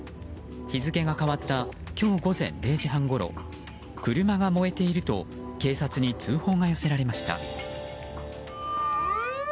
日付が変わった今日午前０時半ごろ車が燃えていると警察に通報が寄せられました。